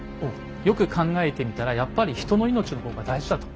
よく考えてみたらやっぱり人の命の方が大事だと。